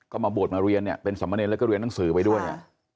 ก็มาบวชมาเรียนเนี่ยเป็นสมเนรแล้วก็เรียนหนังสือไปด้วย